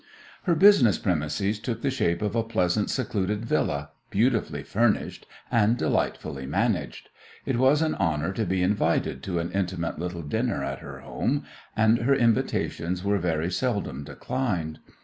Her "business premises" took the shape of a pleasant, secluded Villa, beautifully furnished and delightfully managed. It was an honour to be invited to an intimate little dinner at her home, and her invitations were very seldom declined.